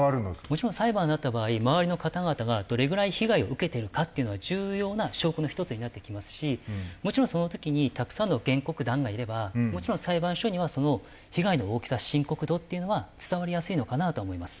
もちろん裁判になった場合周りの方々がどれぐらい被害を受けているかっていうのは重要な証拠の１つになってきますしもちろんその時にたくさんの原告団がいればもちろん裁判所にはその被害の大きさ深刻度っていうのは伝わりやすいのかなとは思います。